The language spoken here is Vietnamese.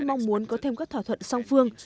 mong muốn có thêm các thỏa thuận song phương